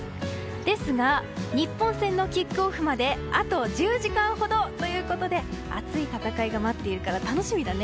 ですが、日本戦のキックオフまであと１０時間ほどということで熱い戦いが待っているから楽しみだね。